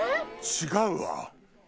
違うわ。